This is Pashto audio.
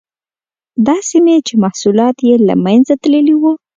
دا سیمې چې محصولات یې له منځه تللي وو.